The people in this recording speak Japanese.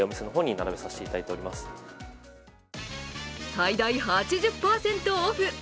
最大８０％オフ。